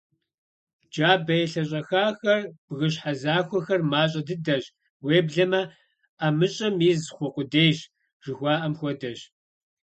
Джабэ елъэщӏэхахэр, бгыщхьэ захуэхэр мащӏэ дыдэщ, уеблэмэ «ӏэмыщӏэм из хъу къудейщ» жыхуаӏэм хуэдэщ.